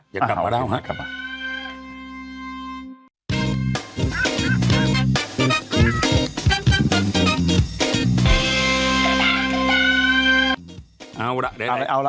อย่ากลับมาเล่าฮะ